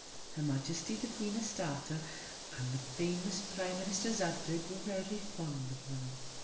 Her Majesty, the Queen Astarte, and the famous Prime Minister Zadig were very fond of them.